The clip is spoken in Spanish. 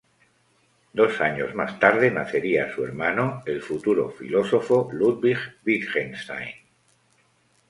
Dos años más tarde nacería su hermano, el futuro filósofo Ludwig Wittgenstein.